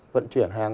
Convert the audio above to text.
vận chuyển hàng